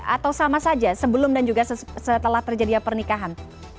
atau sama saja sebelum dan juga setelah terjadinya pernikahan